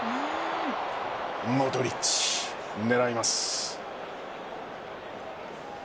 モドリッチ狙います。